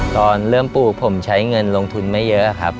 ตอนเริ่มปลูกผมใช้เงินลงทุนไม่เยอะครับ